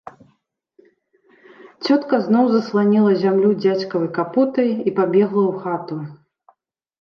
Цётка зноў засланіла зямлю дзядзькавай капотай і пабегла ў хату.